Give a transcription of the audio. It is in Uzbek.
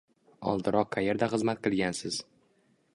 Oldinroq qaerda xizmat qilgansiz?